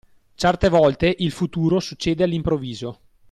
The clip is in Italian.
Certe volte il futuro succede all’improvviso.